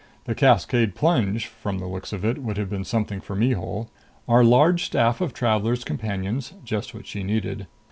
The Cascade Plunge, from the looks of it, would have been something for Mihul.... "Our Large Staff of Traveler's Companions" just what she needed.